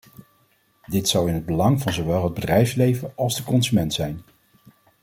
Dit zou in het belang van zowel het bedrijfsleven als de consument zijn.